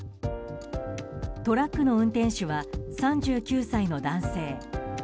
トラックの運転手は３９歳の男性。